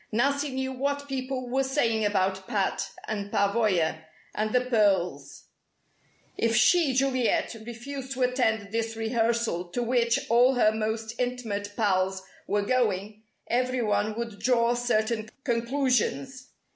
Nancy knew what people were saying about Pat and Pavoya and the pearls. If she Juliet refused to attend this rehearsal to which all her most intimate "pals" were going, everyone would draw certain conclusions.